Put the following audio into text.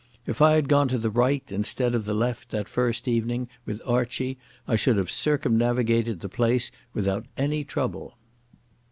If I had gone to the right instead of the left that first evening with Archie, I should have circumnavigated the place without any trouble.